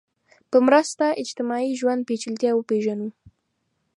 په مرسته اجتماعي ژوند پېچلتیا وپېژنو